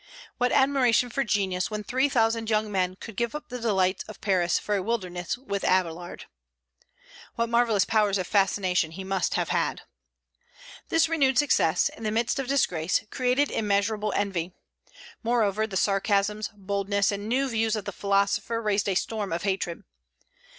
What admiration for genius, when three thousand young men could give up the delights of Paris for a wilderness with Abélard! What marvellous powers of fascination he must have had! This renewed success, in the midst of disgrace, created immeasurable envy. Moreover, the sarcasms, boldness, and new views of the philosopher raised a storm of hatred.